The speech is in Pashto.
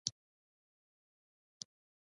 آیا د ایران موټرې ارزانه نه دي؟